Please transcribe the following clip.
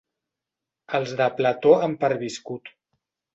Els de Plató han perviscut.